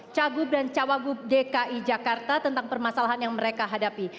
cagup dan cawagup dki jakarta tentang permasalahan yang mereka hadapi